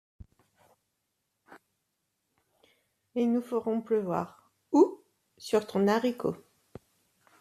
Et nous ferons pleuvoir. Où ? -Sur ton haricot.